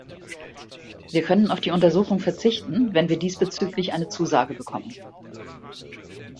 Wir können auf die Untersuchung verzichten, wenn wir diesbezüglich eine Zusage bekommen.